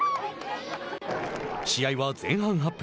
試合は前半８分。